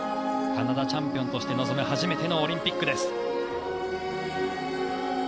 カナダチャンピオンとして臨む初めてのオリンピックです。